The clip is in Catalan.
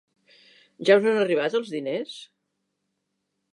Ja us han arribat els diners?